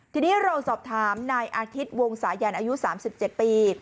ทีนี้เราสอบถามนายอาทิตย์วงสายันอายุ๓๗ปี